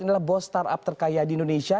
ini adalah bos startup terkaya di indonesia